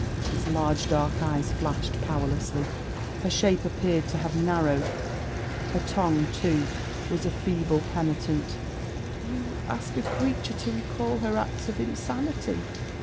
Her large dark eyes flashed powerlessly; her shape appeared to have narrowed; her tongue, too, was a feeble penitent. 'You ask a creature to recall her acts of insanity.'